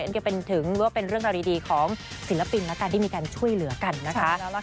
นี่ก็เป็นเรื่องราวดีของศิลปินและการที่มีการช่วยเหลือกันนะคะ